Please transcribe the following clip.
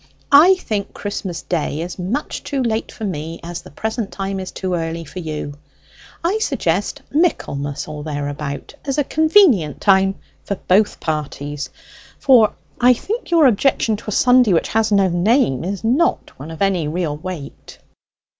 I think Christmas day as much too late for me as the present time is too early for you. I suggest Michaelmas or thereabout as a convenient time for both parties; for I think your objection to a Sunday which has no name is not one of any real weight."